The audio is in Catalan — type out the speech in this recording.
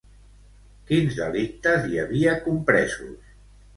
Quins delictes hi havia compresos?